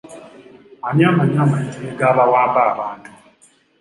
Ani amanyi amayitire g'abawamba abantu?